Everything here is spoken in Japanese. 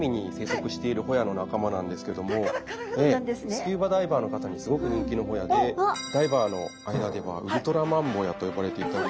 スキューバダイバーの方にすごく人気のホヤでダイバーの間ではウルトラマンボヤと呼ばれていたり。